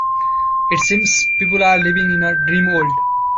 It seems people are living in a dream world.